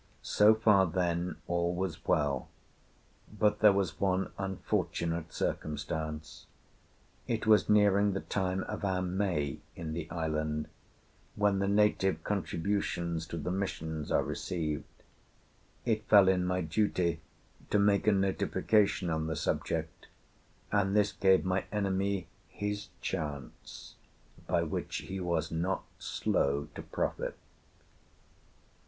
So far, then, all was well; but there was one unfortunate circumstance. It was nearing the time of our 'May' in the island, when the native contributions to the missions are received; it fell in my duty to make a notification on the subject, and this gave my enemy his chance, by which he was not slow to profit.